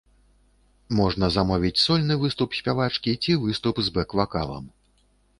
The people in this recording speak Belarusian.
Можна замовіць сольны выступ спявачкі ці выступ з бэк-вакалам.